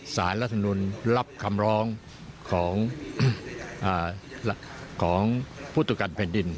สารรัฐมนุนรับคำร้องของผู้ตรวจการแผ่นดิน